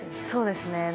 そうですね。